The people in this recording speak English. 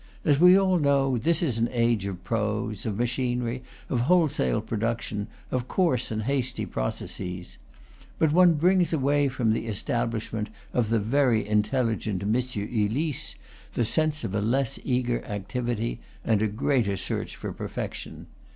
As we all know, this is an age of prose, of machinery, of wholesale production, of coarse and hasty processes. But one brings away from the establishment of the very intelligent M. Ulysse the sense of a less eager activity and a greater search for perfection.